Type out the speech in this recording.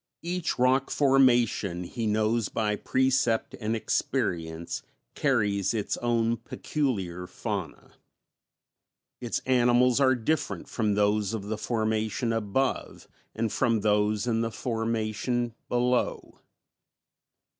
Each rock formation, he knows by precept and experience, carries its own peculiar fauna, its animals are different from those of the formation above and from those in the formation below.